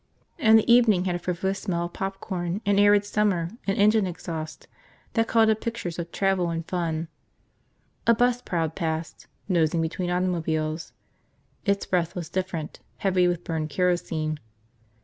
And the evening had a frivolous smell of popcorn and arid summer and engine exhaust that called up pictures of travel and fun. A bus prowled past, nosing between automobiles. Its breath was different, heavy with burned kerosene.